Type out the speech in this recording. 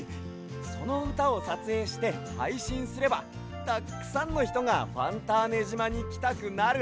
そのうたをさつえいしてはいしんすればたっくさんのひとがファンターネじまにきたくなるはず！